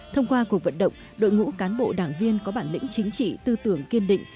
thông qua cuộc vận động đội ngũ cán bộ đảng viên có bản lĩnh chính trị tư tưởng kiên định